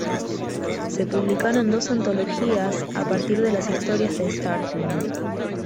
Se publicaron dos antologías a partir de las historias de "Startling".